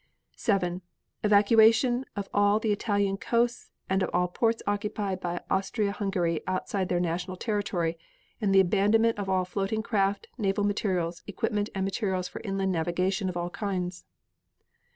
7. Evacuation of all the Italian coasts and of all ports occupied by Austria Hungary outside their national territory and the abandonment of all floating craft, naval materials, equipment and materials for inland navigation of all kinds.